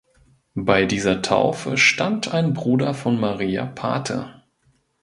Bei dieser Taufe stand ein Bruder von Maria Pate.